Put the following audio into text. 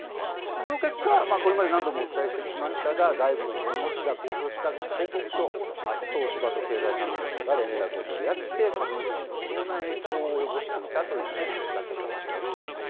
その結果、これまで何度もお伝えしてきましたが、外部の弁護士が公表した報告書、東芝と経済産業省が連絡を取り合って株主に不当な影響を及ぼしていたという内容だったわけです。